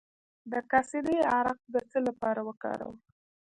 د کاسني عرق د څه لپاره وکاروم؟